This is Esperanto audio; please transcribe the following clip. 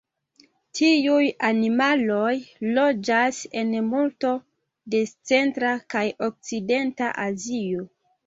Tiuj animaloj loĝas en multo de centra kaj okcidenta Azio.